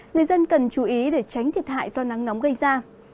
người dân cần chú ý để tránh thiệt hại do nắng nóng gây ra